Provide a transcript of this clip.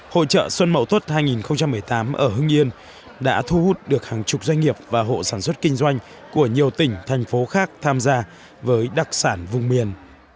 hội trợ xuân mậu tuất hai nghìn một mươi tám ở hưng yên đã thu hút được hàng chục doanh nghiệp và hộ sản xuất kinh doanh của nhiều tỉnh thành phố khác tham gia với đặc sản vùng miền